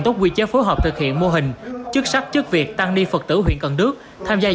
tốt quy chế phối hợp thực hiện mô hình chức sắc chức việc tăng ni phật tử huyện cần đước tham gia